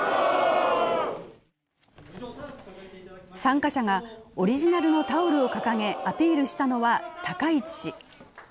参加者がオリジナルのタオルを掲げアピールしたのは高市氏。